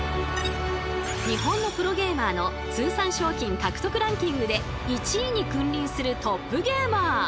日本のプロゲーマーの通算賞金獲得ランキングで１位に君臨するトップゲーマー！